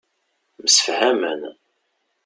Msefhamen.